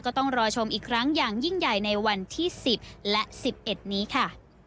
ก็ต้องรอชมอีกครั้งอย่างยิ่งใหญ่ในวันที่สิบและสิบเอ็ดนี้ค่ะ